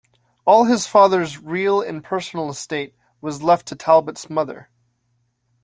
All his father's real and personal estate was left to Talbot's mother.